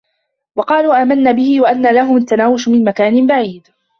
وَقالوا آمَنّا بِهِ وَأَنّى لَهُمُ التَّناوُشُ مِن مَكانٍ بَعيدٍ